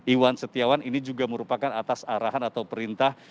iwan setiawan ini juga merupakan atas arahan atau perintah